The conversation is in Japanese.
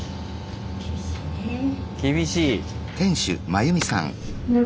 厳しい。